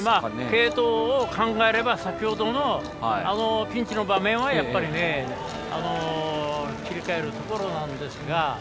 継投を考えれば先ほどのピンチの場面はやっぱり切り替えるところなんですが。